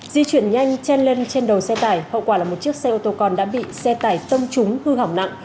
di chuyển nhanh chen lân trên đầu xe tải hậu quả là một chiếc xe ô tô con đã bị xe tải tông trúng hư hỏng nặng